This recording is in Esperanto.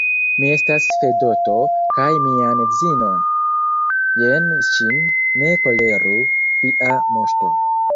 Mi estas Fedoto, kaj mian edzinon, jen ŝin, ne koleru, via moŝto!